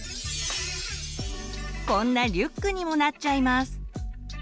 こんなリュックにもなっちゃいます。